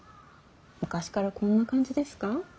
昔からこんな感じですか。